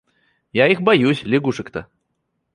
Я их боюсь, лягушек-то.